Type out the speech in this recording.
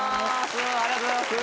ありがとうございます！